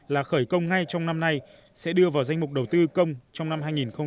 là khởi công ngay trong năm nay sẽ đưa vào danh mục đầu tư công trong năm hai nghìn hai mươi một hai nghìn hai mươi năm